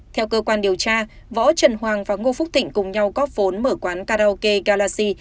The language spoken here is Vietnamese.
theo cơ quan điều tra võ trần hoàng và ngô phúc thịnh cùng nhau góp vốn mở quán karaoke galaxy